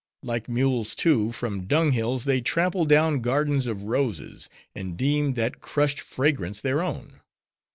Like mules, too, from dunghills, they trample down gardens of roses: and deem that crushed fragrance their own.